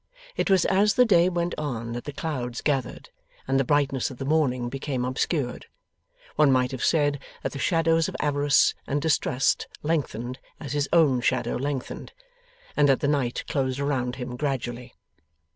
It was as the day went on that the clouds gathered, and the brightness of the morning became obscured. One might have said that the shadows of avarice and distrust lengthened as his own shadow lengthened, and that the night closed around him gradually.